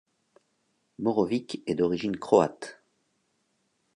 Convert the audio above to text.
Morovic est d'origine croate.